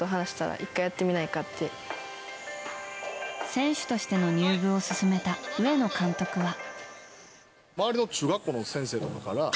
選手としての入部を勧めた上野監督は。